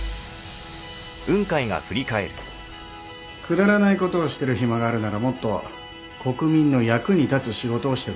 くだらないことをしてる暇があるならもっと国民の役に立つ仕事をしてください。